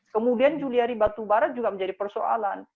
kemudian juliari batu barat juga menjadi persoalan